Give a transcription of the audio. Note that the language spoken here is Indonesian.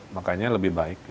makanya lebih baik